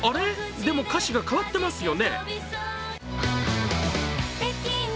でも歌詞が変わってますよね